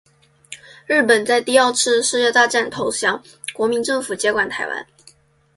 日本在第二次世界大战投降，国民政府接管台湾。